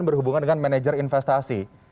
berhubungan dengan manajer investasi